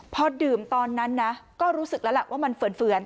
พอดื่มตอนนั้นนะก็รู้สึกแล้วล่ะว่ามันเฟือน